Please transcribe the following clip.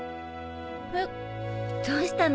えっどうしたの？